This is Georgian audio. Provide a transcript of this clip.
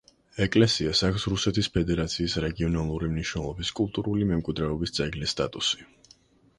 ეკლესიას აქვს რუსეთის ფედერაციის რეგიონალური მნიშვნელობის კულტურული მემკვიდრეობის ძეგლის სტატუსი.